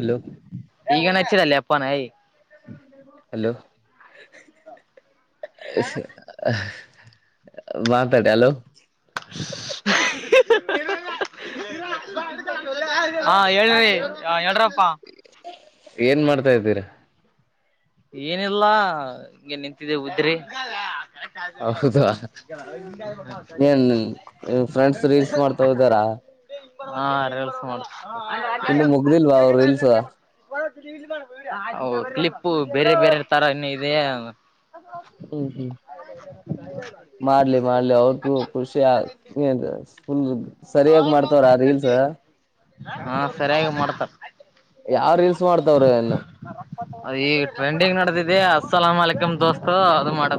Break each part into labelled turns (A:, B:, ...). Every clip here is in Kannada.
A: ಹಲೋ
B: ಈಗ ಲ್ಲಪ್ಪಾನ
A: ಹಲೋ
B: ಹ್ಮ್ಮ್.
A: ಹ್ಮ್ಮ್. ಮಾತಾಡ ಹಲೋ
B: ಹಾ ಹೇಳಿ ಹೇಳರಪ್ಪ
A: ಏನ್ ಮಾಡ್ತಾ ಇದ್ದೀರ.
B: ಏನಿಲ್ಲ. ಹಿಂಗೆ ನಿಂತಿದ್ದೇ ಉುದ್ರಿ.
A: ಹೌದಾ ಏನ್ ಫ್ರೆಂಡ್ಸ್ ರೀಲ್ಸ್ ಮಾಡ್ತಾ ಇದ್ದಾರಾ
B: ಹಾಂ ರೀಲ್ಸ್ ನೋಡ್ತಾ ಇದಾರೆ
A: ಇನ್ನು ಮುಗ್ದಿಲ್ವಾ ಅವರು ರೀಲ್ಸ್
B: ಕಲಿಪ್ ಉಪ್ಪು ಬೇರೆ ಬೇರೆ ತರ ಇನ್ನು ಇದೆ
A: ಹ್ಮ್ ಹ್ಮ್
B: ಹ
A: ಮಾಡ್ಲಿ ಮಾಡ್ಲಿ ಅವ್ರು ಖುಷಿಯ ಫುಲ್ ಸರಿಯಾಗಿ ಮಾಡ್ತವ್ರಾ ರೀಲ್ಸ್
B: ಹಾ ಸರಿಯಾಗಿ ಮಾಡ್ತಾರೆ
A: ಯಾವ ರೀಲ್ಸ್ ಮಾಡ್ತಾವ್ರೆ ನ್ನು,
B: ಹೌ ಅ ಈ ಟ್ರೆಂಡಿಂಗ್ ನಡೆದಿದೆ ಅಸ್ಸಲಾಂ ವಾಲಿಕುಂ ದೋಸ್ತು ಅದು ಮಾಡ,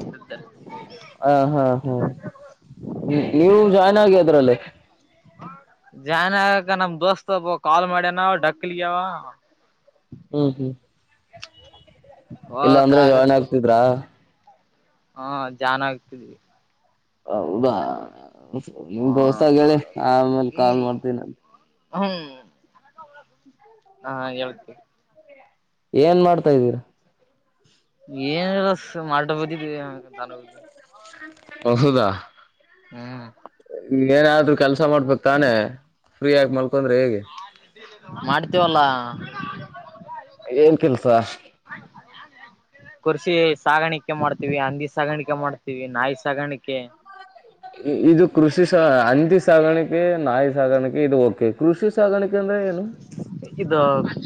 A: ಹ ಹಾ ಹೂ ಇ ನೀವು ಜಾಯ್ನ್ ಆಗಿ ಅದ್ರಲ್ಲೇ.
B: ಜಾಯನ್ ಆಗಕೆ ನಮ್ ದೋಸ್ತ್ಬ್ ಒಬ್ಬ ಕಾಲ್ ಮಾಡ್ಯನ ಡಕ್ಲಿಯ,
A: ಹ್ಮ್ ಹ್ಮ್ ಇಲ್ಲ
B: ಹೋಗಕ್
A: ಅಂದ್ರೆ ಜಾಯ್ನ್
B: ಆಗತ್ತ
A: ಆಗ್ತಿದ್ರಾ
B: ಹಾ ಜನ್ ಆಗ್ತಿದೆ
A: ಹೌದಾ
B: ಹ
A: ನಿಮ್ಮ ದೋಸ್ತ ಹೇಳಿ ಆಮೇಲೆ ಕಾಲ್
B: ಹ್ಮ್
A: ಮಾಡ್ತೀನಿ ಅಂತ
B: ಹ್ಮ್ ಹಾ ಹೇಳ್ತೀನಿ
A: ಏನ್ ಮಾಡ್ತಾ ಇದ್ದೀರಾ
B: ಏನಿಲ್ಲ ಸು ಮಾಟು ಬದಿದ್ವಿ ದನೂ ಊರಿಗೆ,
A: ಹೊಸೂದ
B: ಹ್ಮ್
A: ಇಲ್ಲೇನಾದ್ರೂ ಕೆಲಸ ಮಾಡ್ಬೇಕ್ ತಾನೇ, ಫ್ರೀಯಾಗಿ ಮಲ್ಕೊಂಡ್ರೆ ಹೇಗೆ,
B: ಮಾಡ್ತೀವಲ್ಲಾ
A: ಏನ್ ಕೆಲ್ಸ
B: ಕುರ್ಸಿ ಸಾಗಾಣಿಕೆ ಮಾಡ್ತೀವಿ ಹಂದಿ ಸಾಗಾಣಿಕೆ ಮಾಡ್ತೀವಿ ನಾಯಿ ಸಾಗಾಣಿಕೆ
A: ಇ ಇದು ಕೃಷಿ ಹಂದಿ ಸಾಗಾಣಿಕೆ ನಾಯಿ ಸಾಗಾಣಿಕೆ ಇದು ಓಕೆ ಕೃಷಿ ಸಾಗಾಣಿಕೆ ದನ ಏನು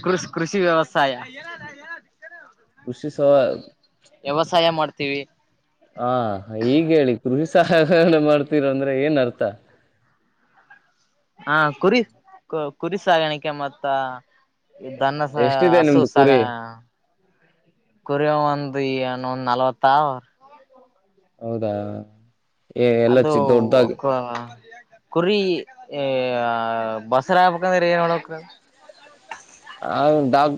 B: ಕೃಷ್ ಕೃಷಿ ವ್ಯವಸಾಯ,
A: ವುಷಿ ಸಾಗು
B: ವ್ಯವಸಾಯ ಮಾಡು ತಿ
A: ಹಾ ಈಗ ಹೇಳಿ ಕೃ ಸಹಹ ಎಲ್ಲ ಮಾಡ್ತೀರ ಅಂದ್ರೆ ಏನ್ ಅರ್ಥ
B: ಹಾ ಕುರಿ ಕುರಿ ಸಾಗಾಣಿಕೆ ಮತ್ತ ಇ ದನ್ನಸ
A: ಎಷ್ಟಿದೆ
B: ಹಸು
A: ನಿಮ್ದು
B: ಸಗ
A: ಕುರಿ
B: ಕುರಿ ಒಂದು ಏನ್ನೊಂದ್ ನಲ್ವತ್ತಾ,
A: ಹೌದಾ ಏ ಎಲ್ಲ
B: ಅದು
A: ಚಿ ದೊಡ್ಡದಾಗಿ
B: ಕುರಿ ಬಸರಕ್ಕಂದರೆ ಏನ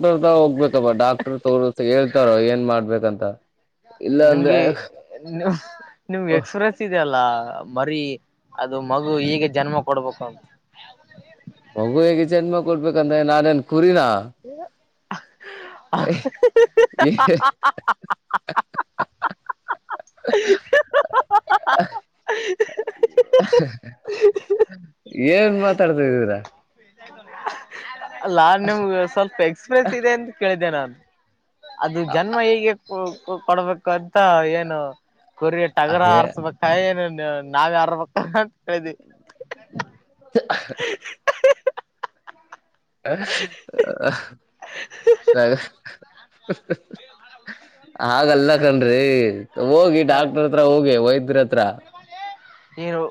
A: ತಾ ಹೋಗ್ಬೇಕು ಡಾಕ್ಟರ್ ತೋ ಹ [unintelligible] ಇತಾರೋ ಏನ್ ಮಾಡ್ಬೇಕಂತ ಇಲ್ಲ ಅಂದ್ರೆ
B: ನಿಮ್ಗೆ ನಿಮ್ಗೆ ಎಕ್ಸ್ಪ್ರೆಸ್ ಇಯ ಅಲ್ಲ ಮರಿ ಅದು ಮಗು ಹೀಗೆ ಜನ್ಮ ಕೊಡ್ಬೇಕು ಅಂತ
A: ಮಗು ಹೇಗೆ ಜನ್ಮ ಕೊಡ್ಬೇಕಂದ್ರೆ ನಾಡೇನ್ ಕುರಿನ
B: [inaudible]
A: [inaudible] [inaudible] ಏನ್ ಮಾತಾಡ್ತ ಇದೀರ
B: ಅಲ್ಲಾ ನಿಮ್ಗೆ ಸ್ವಲ್ಪ ಎಕ್ಸ್ಪ್ರರೆಯನ್ಸ್ ಇದೆ ಅಂತ ಕೇಳಿದ್ದೆ ನಾನು ಅದು ಜನ್ಮ ಹೇಗೆ ಕೊಡ್ಬೇಕು ಅಂತ ಏನು ಕುರಿ ಟಗರ
A: ಅದೇ
B: ಆರ್ಸ್ಬೇಕ ಏ ನಾವ್ ಯಾರ ಅದು [inaudible]
A: ಹಾಗಲ್ಲ ಕನ್ ಹೋಗಿ ಡಾಕ್ಟರ್ ಹತ್ರ ಹೋಗಿ ಹೋಯ್ತ
B: [inaudible] ಏನು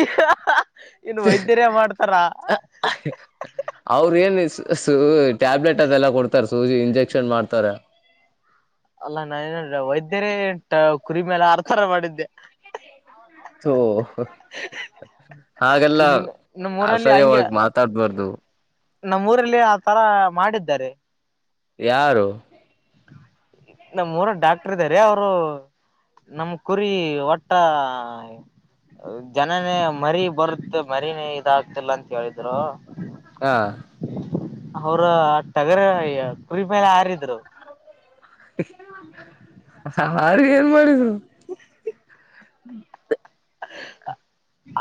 B: ಇ [unintelligible]
A: [inaudible] ಅವ್ರ ಏನ್ ಸಟ್ ಟ್ಯಾಬ್ಲೆಟ್ ಅದೆಲ್ಲ ಕೊಡ್ತಾರೆ ಸೂಸಿ ಇಂಜೆಕ್ಷನ್ ಮಾಡ್ತಾರೆ
B: ಅಲ್ಲ ನಾನ ನ ವೈದ್ಯರೇ ಕುರಿಮೇಲೆ ಆರ್ತರ ಮಾಡಿದ್ದೆ
A: ಹಓ ಹಾಗೆಲ್ಲ
B: ಇಲ್ಲಿ ನಮ್ಮೂರಲ್ಲಿ
A: ಅಸಹ್ಯವಾಗಿ ಮಾತಾಡ್ಬಾರ್ದು
B: ನಮ್ಮ ಊರಲ್ಲಿ ಆತರ ಮಾಡಿದ್ದಾರೆ
A: ಯಾರು
B: ನಮ್ಮ್ರ ಡಾಕ್ಟರ್ ಇದ್ದಾರೆ ಅವರು ನಮ್ ಕುರಿ ಒಟ್ಟ ಜನನೇ ಮರಿ ಬರುತ್ತ ಮರಿನೇ ಇದಾಗತಿಲ್ಲ ಅಂತ ಹೇಳಿದ್ರು
A: ಹಾ
B: ಅವರು ಟಗರ ಕುರಿ ಮೇಲೆ ಹಾರಿದ್ರು
A: ಹ [inaudible] ಹಾಗ ಏನ್ ಮಾಡಿದು ಹ್ಮ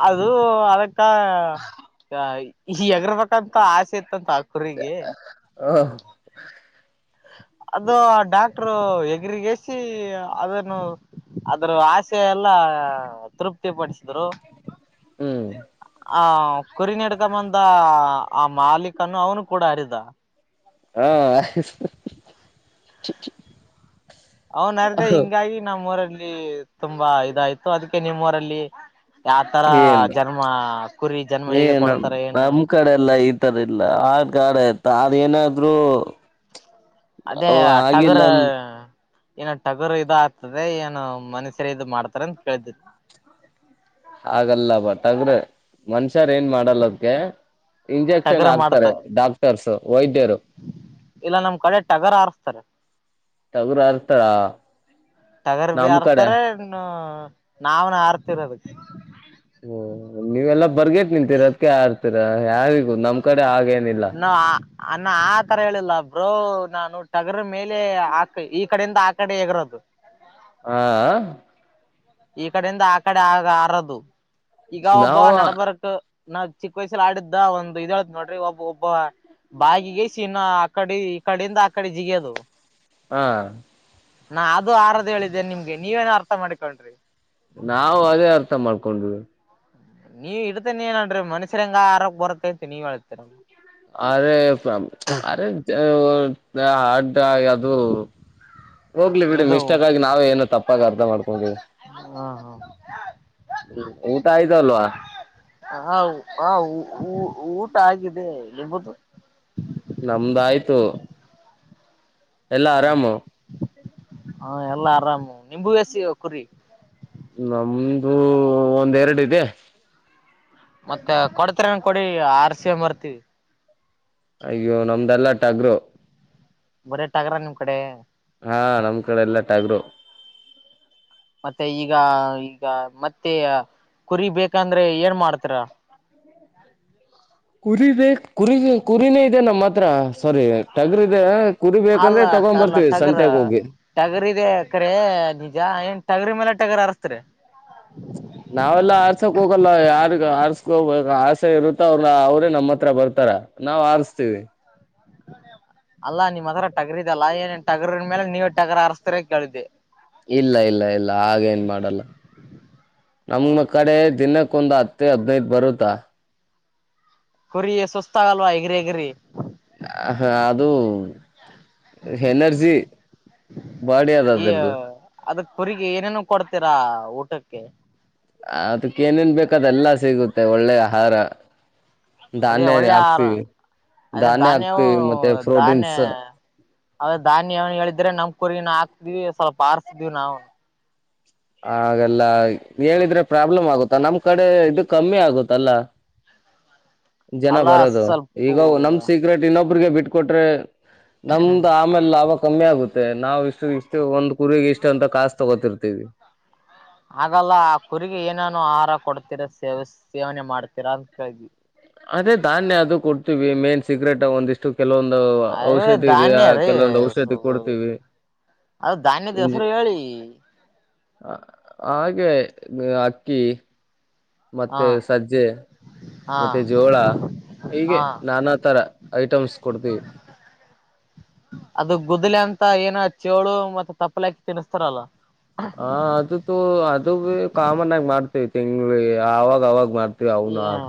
B: ಅದು ಅದಕ್ಕೆ ಕಾ ಈ ಅಗ್ರ ಅಕಂತ ಆಸೆ ಇತ್ತಂತ ಆ ಕುರಿಗೆ
A: ಹ
B: ಅದು ಡಾಕ್ಟರು ಬೆಗ್ರಗಸಿ ಅದನ್ನು ಅದ್ರ ಆಸೆ ಎಲ್ಲ ತೃಪ್ತಿ ಪಡಿಸಿ
A: ಹ್ಮ್
B: ಆ ಕುರಿ ನಡ್ಕ ಬಂದ ಆ ಮಾಲೀಕನು ಅವನು ಕೂಡ ಹರಿದ
A: ಹಾ
B: ಅವನ ಅರಹಿಂಗಾಗಿ ನಮ್ಮ್ ಊರಲ್ಲಿ ತುಂಬಾ ಇದಾಯ್ತು ಅದಕ್ಕೆ ನಿಮ್ಮ್ಊರಲ್ಲಿ
A: ಏನು
B: ಕುರಿ ಜನ್ಮ ಹೀಗೆ
A: ಏನು
B: ಕೊಡ್ತಾರೆ ಏನು
A: ನಮ್ ಕಡೆ ಎಲ್ಲ ಈ ತರ ಇಲ್ಲ ಆ ಗಾಡ ಇತ ಅದೇನಾದ್
B: ಅದೇ ಟಗರ್ ಏನ ಟಗರ್ ಇದ ಆಗ್ತದೆ ಏನ ಮನಸ್ಯರ ಇ ಮಾಡ್ತಾರ ಅಂತ ಕೇಳತಿತ್ತು
A: ಹಾಗಲ್ಲ ಬತ್ತಂದ್ರೆ ಮನ್ಷ ಚರ್ ಏನ್ ಮಾಡಲ್ಲದಕ್ಕೆ ಇಂಜೆಕ್ಷನ್
B: ಟಗರ್ ಮಾಡ್ತ
A: ಹಾಕ್ತಾರೆ ಡಾಕ್ಟರ್ಸ್ ವೈದ್ಯರು
B: ಇಲ್ಲಾ ನಮ್ ಕಡೆ ಟಗರ್ ಆರಸ್ತಾರೆ
A: ತಗರರ್ತಳಾ
B: ಟಗರ್ ಬಿ ಆರಸ್ತಾರೆ ಇನ್ನು ನಾವ್ನ ಆರ್ತಿರೋದಕ್ಕೆ
A: ಹ ನೀವೆಲ್ಲಾ ಬರ್ಗೇಟ್ ನಿಂತೀರ ಅದಕ್ಕೆ ಆರ್ ಯಾವಾರಿಗು ನಮ್ ಕಡೆ ಆಗೇ
B: ನ ಅನ್ನ ಆತರ ಹೇಳಿಲ್ಲ ಬ್ರೋ ನಾನು ಟಗರ್ ಮೇಲೆ ಆ ಈ ಕಡೆಯಿಂದ ಆ ಕಡೆ ಹಗರೋದು
A: ಹಾ
B: ಈ ಕಡೆಯಿಂದ ಆ ಕಡೆ ಆಗ ಆರದು ಈಗ ಒಬ್ಬಾ
A: ನಾವು
B: ನಬರಕ್ಕೆ ನಾವ ಚಿಕ್ಕ ವಯಸ್ಸಲ್ಲಿ ಆಡಿದ್ದ ಒಂದು ಇದೇತ್ ನೋಡ್ರಿ ಒಬ್ಬ ಒಬ್ಬ ಬಾಗಿಗೆ ಶೀನಾ ಆಕಡೆ ಈ ಕಡೆಯಿಂದ ಆಕಡೆ ಜಿಗಿಯೋದು
A: ಹಾ
B: ನಾ ಅದುೂ ಆರದ ಹೇಳಿದ್ದೇನೆ ನಿಮ್ಗೆ ನೀವೇನೋ ಅರ್ಥ ಮಾಡಿಕೊಂಡ್ರಿ
A: ನಾವು ಅದೇ ಅರ್ಥ ಮಾಡ್ಕೊಂಡ್ವಿ
B: ನೀವ ಇಡ್ತನ ಏನನ್ಮನುಷ್ಯರ ಹೆಂಗ ಆರೋಗ ಬರತ್ತಂತ ನೀವ್ ಹೇಳ್ತೀರ
A: ಅರೆ ಅರೆ ನ ಅಡ್ ಅದು ಹೋಗ್ಲಿ ಬಿಡಿ
B: ಇದು
A: ಮಿಸ್ಟೇಕ್ಗ ನಾವ ಏನು ತಪ್ಪ ಪಪ್ಪಾಗ ಅರ್ಧ ಮಾಡ್ಕೊಂಡವಿ
B: ಹ ಹ
A: ಊಟ ಆಯ್ತ ಅಲ್ವಾ
B: ಹಾ ಊಟ ಆಗಿದೆ ನಿಬದು
A: ನಮ್ದ ಆಯ್ತು ಎಲ್ಲಾ ಆರಾಮು
B: ಹಾ ಎಲ್ಲಾ ಆರಾಮು ನಿಂಬು ವೇಸಿ ಕುರಿ
A: ನಮ್ದು ಒಂದೆರಡು ಇದೆ
B: ಮತ್ತೆ ಕೊಡ್ತನ್ ಕೊಡಿ ಆರ ಸ ಬರ್ತೀವಿ
A: ಅಯ್ಯೋ ನಮ್ದೆಲ್ಲ ಟಾಗರು
B: ಬರೇ ಟಗರ ನಿಮ್ ಕಡೆ
A: ಹಾ ನಮ್ ಕಡೆ ಎಲ್ಲ ಟಾಗರು
B: ಮತ್ತೆ ಈಗ ಈಗ ಮತ್ತೆ ಕುರಿ ಬೇಕಂದ್ರೆ ಏನ್ ಮಾಡ್ತರ
A: ಕುರಿ ದೆ ಕುರಿ ಕುರಿನೇ ಇದೆ ನಮ್ಮ ಹತ್ರ ಸಾರಿ ಟಗ್ರ ಇದೆ ಕುರಿ
B: ಅಲ್ಲ
A: ಬೇಕಂದ್ರೆ ತಗೊಂಡ್
B: ಅಲ್ಲ
A: ಬರ್ತೀವಿ
B: ಟಗರ್
A: ಸಂತೆಗೆ ಹೋಗಿ
B: ಟಗರ್ದೆ ಕರೆ ನಿಜ ಎಂ ಟಗರಿ ಮೇಲೆ ಟಗರಿ ಅರಸ್ತ್ರಿ
A: ನಾವೆಲ್ಲ ಆರ್ಸಕ್ ಹೋಗಲ್ಲ ಯಾರ್ಗ್ ಆರ್ಸ್ಕೋ ಆಸೆ ಇರುತ್ತ ಅವ್ರ ಅವ್ರೇ ನಮ್ಮ ಹತ್ರ ಬರ್ತಾರ ನಾವ್ ಆರ್ಸ್ತೀವಿ
B: ಅಲ್ಲ ನಿಮ್ಮ್ ಹತ್ರ ಟಗರದಲ್ಲ ಏನ ಟಗರ್ರ್ ಮೇಲೆ ನೀವ ಟಗರ್ ಹರಸ್ತರ ಕೇಳ್ದಿ
A: ಇಲ್ಲ ಇಲ್ಲ ಇಲ್ಲ ಹಾಗೇಏನ್ ಮಾಡಲ್ಲ
B: ಹ
A: ನಮ್ ಕಡೆ ದಿನಕ್ಕ ಹಕ್ಕಂದ್ ಹತ್ತ ಹದ್ನೈದು ಬರುತ್ತಾ
B: ಕುರಿ ಸುಸ್ತ ಆಗಲ್ವಾ ಹೆಗ್ರಿ ಹೆಗ್ರಿ
A: ಹ ಅದುೂ ಎನರ್ಜಿ ಬಾಡಿ ಅದದರದುು
B: ಅದ ಕುರಿಗ ಏನೇನು ಕೊಡ್ತೀರಾ ಊಟಕ್ಕೆ
A: ಅದಕ್ಕ ಏನೇನ್ ಬೇಕದೆಲ್ಲಾ ಸಿಗುತ್ತೆ ಒಳ್ಳೆ ಆಹಾರ
B: ಅದೇ
A: ಧಾನ್ಯ
B: ಒಳ್ಳೆ ಆಹಾರ
A: ಹಾಕ್ತಿವಿ
B: ಅದೇ
A: ಧಾನ್ಯ
B: ಧಾನ್ಯವು
A: ಹಾಕ್ತಿವಿ ಮತ್ತೆ
B: ಧಾನ್ಯ
A: ಪ್ರೋಟೀನ್ಸ್
B: ಅವ ಧಾನ್ಯ ಹೇಳ ಇದ್ರೆ ನಮ್ಕರಿನ ಹಾಕ್ತೀವಿ ಸ್ವಲ್ಪ ಆರ್ರಿಸ್ದೀವಿ ನಾವು
A: ಹಾಗಲ್ಲ ಹೇಳಿದ್ರೆ ಪ್ರಾಬ್ಲಮ್ ಆಗುತ್ತಾ ನಮ್ ಕಡೆ ಇದು ಕಮ್ಮಿ ಆಗುತ್ತಲ್ಲ ಜನ
B: ಅಲ್ಲ
A: ಬರೋದು
B: ಸ್ವಲ್ಪ
A: ಈಗ ನಮ್ ಸೀಕ್ರೆಟ್ ಇನ್ನೊಬ್ಬ ಕೊಬ್ರರಿಗೆ ಬಿಟ್ಕೊೊಟ್ರೆ ನಮ್ದ ಆಮೇಲೆ ಅವ ಕಮ್ಮಿ ಆಗುತ್ತೆ ನಾವವು ಇಷ್ಟು ಇಷ್ಟು ಒಂದ್ ಕುರಿರಿಗೆ ಇಷ್ಟು ಅಂತ ಕಾಸ್ ತಗೋತಿರ್ತೀವಿ
B: ಹಾಗಲ್ಲ ಆ ಕುರಿಗ ಏನೇನು ಆರ ಕೊಡ್ತೀರಾ ಸೇವ ಸೇವನೆ ಮಾಡ್ತೀರಾ ಅಂತ ಕಿ
A: ಅದೇ ಧಾನ್ಯ ಅದು ಕೊಡ್ತೀವಿ ಮೇನ್ ಸೀಕ್ರೆಟ್ ಒಂದಿಷ್ಟು ಕೆಲವೊಂದು
B: ಅದೇ
A: ಔಷಧಿ ಇದೆಯ
B: ಧಾನ್ಯ ರೀ
A: ಕೆಲವೊಂದು ಔಷಧಿ ಕೊಡ್ತೀವಿ
B: ಅದು ಧಾನ್ಯದ ಹೆಸರು ಹೇಳಿ
A: ಗೆ ಅಕ್ಕಿ
B: ಹಾ
A: ಮತ್ತೆ ಸಜ್ಜೆ
B: ಹಾ
A: ಮತ್ತೆ ಜೋಳ ಹೀಗೆ
B: ಹಾ
A: ನಾನಾ ತರ ಐಟಮ್ಸ್ ಕೊಡ್ತೀವಿ
B: ಮತ್ತ ಏನ ಚಳು ಮತ್ತೆ ತಪ್ಪಲಾಕಿ ತಿನ್ಸಸ್ತಾರಲ್ಲ
A: ಹ ಅದು ತ ಅದು ಕಾಮನ್ ಆಗಿ ಮಾಡ್ತತ್ತು ತಿಂಗಳ ಆಗ ಅವಾಗ ಮಾಡ್ ಯಾವ್ ನಾಗ.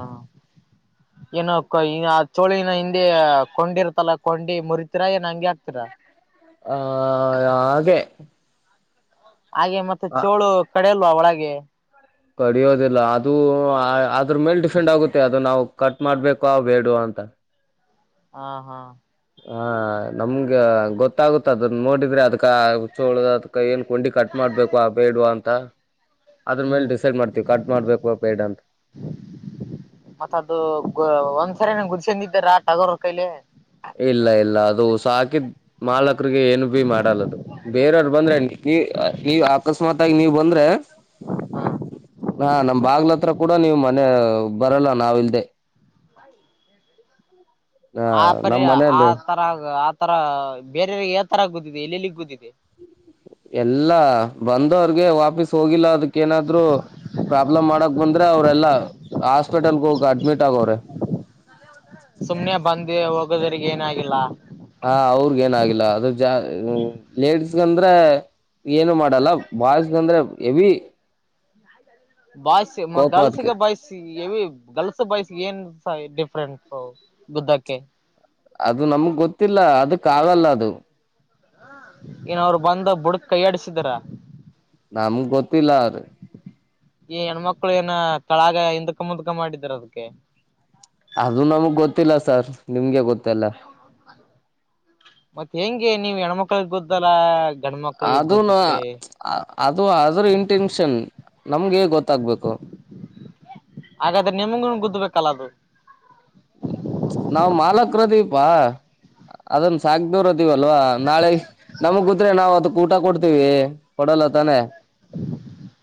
B: ಏನೋ ಕ ಈ ಆ ಚೋಳಿನ ಹಿಂದೆ ಕೊಂಡಿರ್ತಲ್ಲ ಕೊಂಡಿ ಮುರಿತೀರಾ ಏನ್ ಹಂಗೆ ಹಾಕ್ತಿರ.
A: ಹಾ ಹಾಗೆ.
B: ಹಾಗೆ ಮತ್ತೆ
A: ಆ
B: ಚೋಳು ಕಡೆಯಲ್ವಾ ಒಳಗೆ.
A: ಕಡಿಯೋದಿಲ್ಲ ಅದೂ ಆ ಅದ್ರ ಮೇಲ್ ಡಿಫೆಂಡ್ ಆಗುತ್ತೆ ಅದು ನಾವು ಕಟ್ ಮಾಡ್ಬೇಕ ಬೇಡ್ವಾ ಅಂತ.
B: ಹಾ ಹಾ.
A: ಹಾ ನಮ್ಗೆ ಗೊತ್ತಾಗುತ್ತ ಅದನ್ನ ನೋಡಿದ್ರೆ ಅದ್ಕ ಹುಚ್ಚೋಳ ಅದಕ್ಕೆ ಏನ್ ಕೊಂಡಿ ಕಟ್ ಮಾಡ್ಬೇಕ್ವ ಬೇಡ ಅಂತ. ತ್ತ.
B: ಹ್ಮ್
A: ಬೇಡ ಅಂತ
B: [unintelligible] ಮತ್ತ್ ಅದೂ ಗು ಒಂದ್ಸರಿನ್ ಗುದಿಸಂಗಿದ್ದೀರಾ ತಗೋರ್ ಕಲೆ.
A: ಮಾಲ್ಕ. ಕ್ರಿಗೆ ಏನು ಬಿ ಮಾಡಲ್ಲದು ಬೇರವ್ರು ಬಂದ್ರೆ ಅಂಗೆ ನೀ ನೀವ್ ಅಕಸ್ಮಾತ್ ಆಗ್ ನೀವ್ ಬಂದ್ರೆ. ಹಾ ನಮ್ ಬಾಗ್ಲ್ ಹತ್ರ. ಕೂಡ ನೀವ್ ಮನೇ ಬರಲ್ಲ ನಾವ್ ಇಲ್ದೆೇ.
B: ಬಾಯ್.
A: ಹ
B: [inaudible] ಆ ಪರಿ
A: ನಮ್
B: ಆ
A: ಮನೇಲಿ
B: ತರ ಗ ಅ. ತರಾ ಬೇರೆಯವ್ರಿಗೆ ಯಾ ತರ ಗೂತ್ತಿದಿ ಎಲ್ಲೆಲ್ಲಿಗ್ ಗೂತ್ತಿದಿ.
A: ಇಲ್ಲ ಬಂದ್ ಅವ್ರಗೆ ವಾಪೀಸ್ ಹೋಗಿಲ್ಲ ಅದಿಕ್ಕೆ ಏನಾದ್ರು ಪ್ರಾಬ್ಲಮ್ ಮಾಡಕ್ ಬಂದ್ರೆ ಅವ್ರೆಲ್ಲ ಅ ಹಾಸ್ಪಿಟಲ್ಗ್ ಹೋಗ್ ಅಡ್ಮಿಟ್ ಆಗೋರೆ.
B: ಸುಮ್ನೆ ಬಂದೆ ಹೋಗೋದರಿಗೆ ಏನಾಗಿಲ್ಲ.
A: ಹಾ ಅವ್ರ್ಗ್ ಏನಾಗಿಲ್ಲ ಅದುರ ಜಾ ಉ ಲೇಡಿಸ್ಗಂದ್ರೆ ಏನು ಮಾಡಲ್ಲ ಬಾಯ್ಸ್ಗಂದ್ರೆ ಎವಿ.
B: ಬಾಯ್ಸ್ ಮ
A: ಅದಕ್
B: ಗಲ್ಸಿಗೆ ಬಾಯ್ಸಿಗಿ ಎವಿ. ಗರ್ಲ್ಸ್ ಬಾಯ್ಸ್ ಏನ್ ಸಾ ಡಿಫ್ರೆನ್ಟ್ಸು ಬುದ್ದಕ್ಕೆ.
A: ಅದು ನಮುಗ್ ಗೊತ್ತಿಲ್ಲ ಅದಕ್ ಆಗಲ್ಲ ಅದು.
B: ಆ ಇನ ಅವ್ರು ಬಂದ ಬುಡ್ಕ್ ಕೈಯಾಡಿಸಿದಾರ.
A: ನಮಗ್ ಗೊತ್ತಿಲ್ಲ ಅವ್ರ
B: ಈ ಹೆಣ್ಮಕ್ಳು ಏನ ಕಳಾಗ ಹಿಂದಕ ಮುಂದ್ಕ ಮಾಡಿದಾರ ಅದ್ಕೆ.
A: ಅದು ನಮಗ್ ಗೊತ್ತಿಲ್ಲ ಸರ್ ನಿಮ್ಗೆ ಗೊತ್ತ್
B: [inaudible] ಮತ್ತ್ ಹೆಂಗೆ. ನೀವ್ ಹೆಣ್ಮಕ್ಕಳಿಗ್ ಗೊತ್ತಲ್ಲಾ.
A: ಅದುನು ಮ್ಚ್ ಅ ಅದು ಅದುರ್ ಇಂಟೆನ್ಷನ್ ನಮ್ಗೆ ಗೊತ್ತಾಗ್ಬೇಕು.
B: ಕಲದು.
A: ಅ ಮ್ಚ್ ನಾವ್ ಮಾಲಕ್ರದೀಪ ಅದನ್ ಸಾಕು. ದೂರದೀವಲ್ವಾ ನಾಳೆ ನಮುಗುದ್ರೆ ನಾವು ಅ ಊಟ ಕೊಡ್ತೀವಿ ಕೊಡಲ್ಲ ತಾನೆ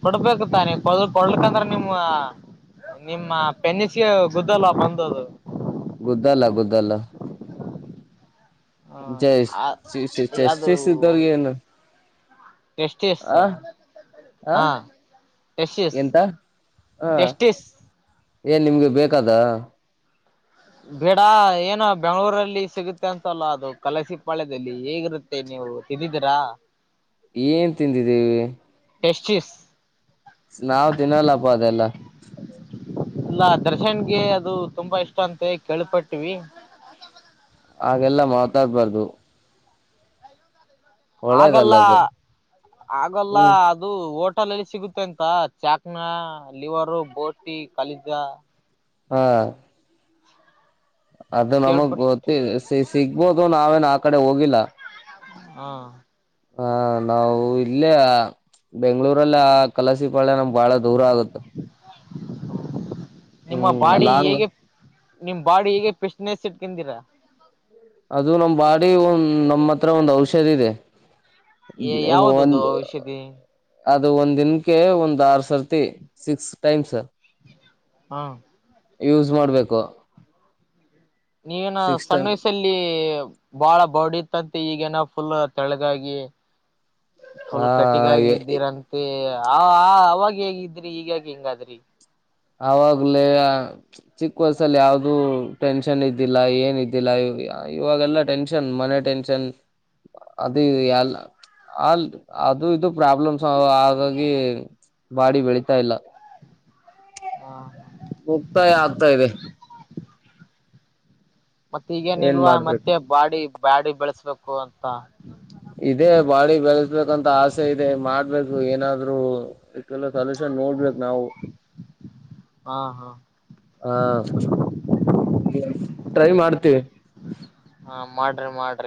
B: ಕೊಡ್ಬೇಕ ತಾನೆ ಕೊಳ್ಕಂದ್ರ ನಿಮ್ಮ ನಿಮ್ಮ ಪೆನ್ನಸಿಗೆ ಗುದ್ದಲ್ವಾ ಬಂದದು
A: ಗುುದದ್ದಲ್ಲ ಗುದ್ದಲ್ಲ ಜಯ
B: ಹ
A: ಶ್ರೀ ಶ್ರೀ ಜಯ ಶ್ರೀ ಸ್ಧರ್ಗೆನು
B: ತಷ್ಟಟಿಸ್
A: ಆ
B: ಹಾ
A: ಎಂತ ಹ
B: ತಷ್ಟಿಷ್ಟಟಿ
A: ಏನ್ ನಿಮ್ಗೆ ಬೇಕದ
B: ಬೇಡ ಏನ ಬೆಂಗ್ಳೂರಲ್ಲಿ ಸಿಗುತ್ತೆ ಅಂತಲ್ಲ ಅದು ಕಲಸಿ ಪಾಳ್ಯದಲ್ಲಿ ಹೇಗಿರುತ್ತೆ ನೀವು ತಿದ್ದಿದಿರಾ
A: ಏನ್ ತಿಂದಿದ್ದೀವಿ
B: ಪಶ್ಚಿಸ್
A: ನಾವ್ ತಿನ್ನಲ್ಲಪ್ಪ ಅದೆಲ್ಲ
B: ಇಲ್ಲ ದರ್ಶನ್ಗೆ ಅದು ತುಂಬಾ ಇಷ್ಟ ಅಂತೆ ಕೇಳ್ಪಟ್ಟೀವಿ
A: ಹಾಗೆಲ್ಲ ಮಾತಾಡ್ಬಾರ್ದು
B: ಆಗಲ್ಲ
A: ಒಳ್ಳೇದಲ್ಲ ಅದು
B: ಆಗಲ್ಲ
A: ಹ್ಮ್
B: ಅದು ಓಟ ಹಟ್ಟಲಲ್ಲಿ ಸಿಗುತ್ತೆ ಅಂತ ಚಾಕ್ನ ಲಿವರು ಬೋಟಿ ಖಲಜ
A: ಹಾ ಅದು ನಮಗ್
B: ಕೇಳ್ಪಟ್
A: ಗೊತ್ತ ಸಿಗ್ಬೋದು ನಾವೇನ್ ಆ ಕಡೆ ಹೋಗಿಲ್ಲ
B: ಹಾ
A: ಹ ನಾವವು ಇಲ್ಲಿೇ ಬೆಂಗಗಳೂರಲ್ಲ ಆ ಕಲಸಿಪಳ್ಯ ನಮ ಬಾಳ ದೂರ ಆಗುತ್ತ
B: ನಿಮ್ಮ ಬಾಡಿ
A: ಲಾಂಗ್
B: ಹೇಗೆ ನಿಮ್ ಬಾಡಿ ಈಗೆ ಪಿಸನೆ ಸಿಟ್ಕಿಂದಿರ
A: ಅದು ನಮ ಬಾಡಿ ಒ್ ನಮ್ಮ ಹತ್ರ ಒಂದು್ ಔಷಧಿ ಇದೆ
B: ಯಾಾವ್ದದು
A: ಒಂದ್
B: ವಿಔಷದಿ
A: ಅದು ಒಂದ್ ದಿನಕ್ಕೆ ಒಂದ್ ಆರ್ ಸರ್ತಿ ಸಿಕ್ಸ್ ಟೈಮ್ಸ್ರ್
B: ಹಾ
A: ಯೂಸ್ ಮಾಡ್ಬೇಕು
B: ನೀವನ
A: ಸಿಕ್ಸ್
B: ಸಣ್ಣ
A: ಟೈಮ್ಸ್
B: ವಯಸಲ್ಲಿ ಬಾಳ ಬಡಿ ಇತ್ತಂತೆ ಈಗ ನ ಫುಲ್ ತೆಳಗಾಗಿ
A: ಹಾ
B: ಫುಲ್ ಕಟಿಗಗಿದ್ದೀರಂತೆ ಹ ಅವಾಗ ಹೇಗಿದ್ರಿ ಈಗ ಹೆಂಗಾದ್ರಿ
A: ಆಾಗ್ಲೇ ಚಿಕ್ಕ ವಯಸಲ್ಲಿ ಯಾವ್ದೂ ಟೆನ್ಷನ್ ಇದ್ದಿಲ್ಲ ಏನ್್ದಿಲ್ಲ ಇವಾಗೆಲ್ಲಾ ಟೆನ್ಷನ್ ಮನೆ ಟೆನ್ಷನ್ ಅದುಲ್ಲ ಅಲ್ ಅದು ಇದು ಪ್ರಾಬ್ಲಮ್ಸ್ ಆಾಗಿ ಬಾಡಿ ಬೆಳತಾ ಇಲ್ಲ
B: ಹಾ
A: ಮುಕ್ತಾಯ ಆಗ್ತಾ ಇದೆ
B: ಮತ್ತೆ ಈಗೇನ್
A: ಏನ್
B: ಇಲ್ವಾ
A: ಮಾಡ್ಬೇಕು
B: ಮತ್ತೆ ಬಾಡಿ ಬ್ಯಾಡಿ ಬೆಳೆಸ್ಬೇಕು ಅಂತ
A: ಇದೆ ಬಾಡಿಿ ಬೆಳೆಸ್ಬೇಕಂತ ಆಸೆ ಇದೆ ಮಾಡ್ಬೇಕು ಏನಾದ್ರು ಸಲ್ೂಷನ್ ನೋಡ್ಬೇಕು ನಾವು
B: ಹಾ ಹಾ
A: ಹಟ್ರೈ ಮಾಡ್ತವಿ
B: ಹಾ ಮಾಡ್ರಿ ಮಾಡ್ರಿ.